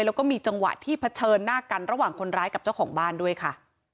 แล้วก็มีจังหวะที่เผชิญหน้ากันระหว่างคนร้ายกับเจ้าของบ้านด้วยค่ะ